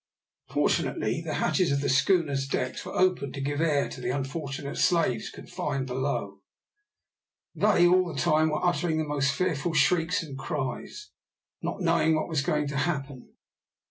Fortunately the hatches of the schooner's decks were open to give air to the unfortunate slaves confined below. They all the time were uttering the most fearful shrieks and cries, not knowing what was going to happen.